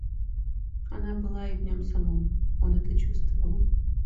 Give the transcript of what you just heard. Она была и в нем самом — он это чувствовал.